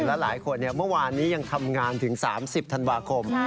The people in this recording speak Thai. และหลายคนเมื่อวานนี้ยังทำงานถึง๓๐ธันวาคม